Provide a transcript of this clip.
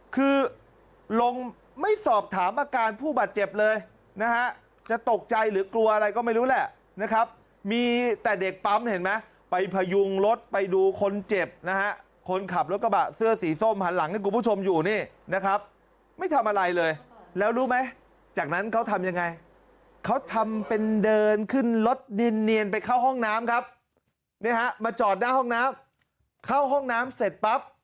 คือลงไม่สอบถามอาการผู้บาดเจ็บเลยนะฮะจะตกใจหรือกลัวอะไรก็ไม่รู้แหละนะครับมีแต่เด็กปั๊มเห็นไหมไปพยุงรถไปดูคนเจ็บนะฮะคนขับรถกระบะเสื้อสีส้มหันหลังให้คุณผู้ชมอยู่นี่นะครับไม่ทำอะไรเลยแล้วรู้ไหมจากนั้นเขาทำยังไงเขาทำเป็นเดินขึ้นรถดินเนียนไปเข้าห้องน้ำครับเนี่ยฮะมาจอดหน้าห้องน้ำเข้าห้องน้ำเสร็จปั๊บ